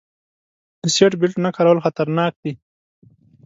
د سیټ بیلټ نه کارول خطرناک دي.